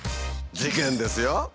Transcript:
事件です！